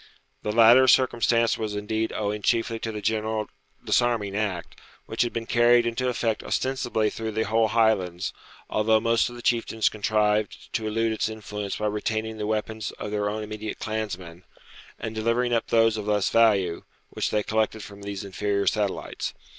The latter circumstance was indeed owing chiefly to the general disarming act, which had been carried into effect ostensibly through the whole Highlands, although most of the chieftains contrived to elude its influence by retaining the weapons of their own immediate clansmen, and delivering up those of less value, which they collected from these inferior satellites.